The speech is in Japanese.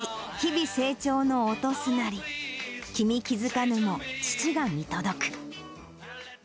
夏を追い日々成長の音すなり君気づかぬも父が見届く。